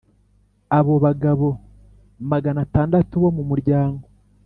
Abo bagabo magana atandatu bo mu muryango